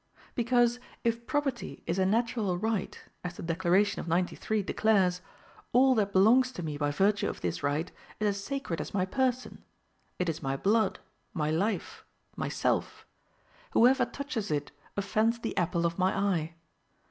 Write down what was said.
Because, if property is a natural right, as the Declaration of '93 declares, all that belongs to me by virtue of this right is as sacred as my person; it is my blood, my life, myself: whoever touches it offends the apple of my eye.